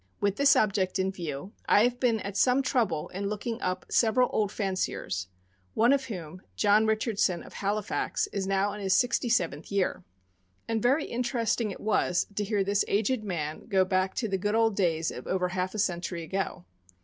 With this object in view, I have been at some trouble in looking up several old fanciers, one of whom, John Richard son, of Halifax, is now in his sixty seventh year. And very interesting it was to hear this aged man go back to the "good old days" of over half a century ago.